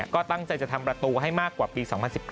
ก็ตั้งใจจะทำประตูให้มากกว่าปี๒๐๑๘